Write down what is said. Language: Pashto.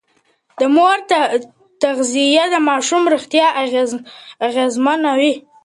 د مور تغذيه د ماشوم روغتيا اغېزمنوي.